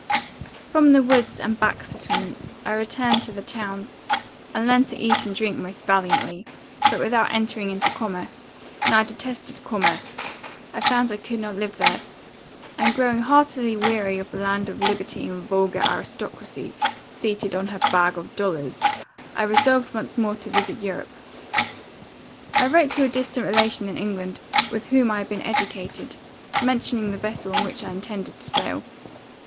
"From the woods and back settlements, I returned to the towns, and learned to eat and drink most valiantly; but without entering into commerce (and I detested commerce) I found I could not live there; and, growing heartily weary of the land of liberty and vulgar aristocracy, seated on her bags of dollars, I resolved once more to visit Europe. I wrote to a distant relation in England, with whom I had been educated, mentioning the vessel in which I intended to sail.